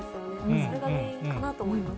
それが原因かなと思います。